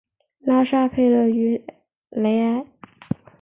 拉沙佩勒于雷埃。